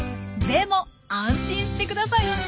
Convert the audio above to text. でも安心してください。